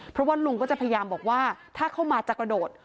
เพราะว่าลุงก็จะพยายามบอกว่าถ้าเข้ามาจะกระโดด